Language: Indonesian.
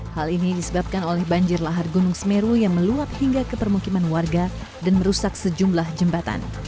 hal ini disebabkan oleh banjir lahar gunung semeru yang meluap hingga ke permukiman warga dan merusak sejumlah jembatan